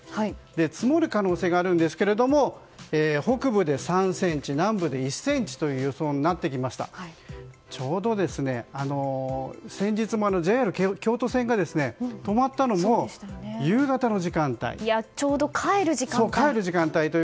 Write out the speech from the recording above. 積もる可能性があるんですが北部で３ｃｍ、南部で１ｃｍという予想になってきましてちょうど先日もＪＲ京都線が止まったのもちょうど帰る時間帯でした。